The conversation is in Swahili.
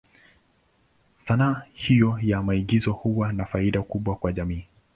Sanaa hiyo ya maigizo huwa na faida kubwa kwa jamii.